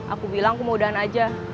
aku bilang aku mau udahan aja